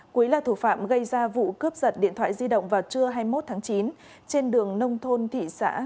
quý là thủ phạm gây ra vụ cướp giật điện thoại di động vào trưa hai mươi một tháng chín trên đường nông thôn thị xã